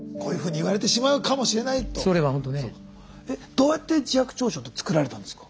どうやって自白調書って作られたんですか？